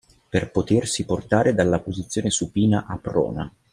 Per potersi portare dalla posizione supina a prona.